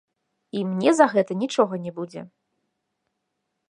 І мне за гэта нічога не будзе!